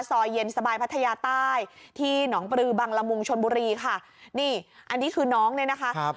ซอยเย็นสบายพัทยาใต้ที่หนองปลือบังละมุงชนบุรีค่ะนี่อันนี้คือน้องเนี่ยนะคะครับ